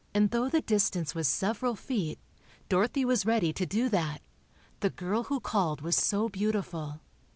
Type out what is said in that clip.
And though the distance was several feet, Dorothy was ready to do that—the girl who called was so beautiful.